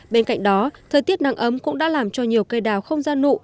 bên cạnh đó thời tiết nắng ấm cũng đã làm cho nhiều cây đào không gian nụ